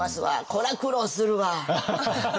これは苦労するわ。